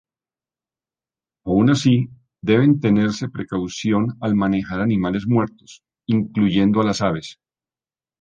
Aun así, deben tenerse precaución al manejar animales muertos, incluyendo a las aves.